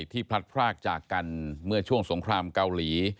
พลัดพรากจากกันเมื่อช่วงสงครามเกาหลี